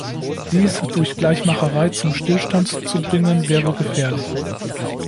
Dies durch Gleichmacherei zum Stillstand zu bringen wäre gefährlich.